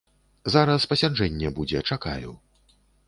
Зараз пасяджэнне будзе, чакаю.